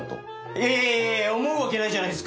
いやいやいや思うわけないじゃないですか！